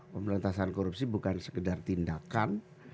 pemberantasan korupsi bukan sekedar tindakan